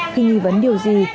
khi nghi vấn điều gì